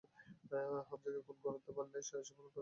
হামযাকে খুন করতে পারলে এসব অলঙ্কারের মালিক হবে তুমি।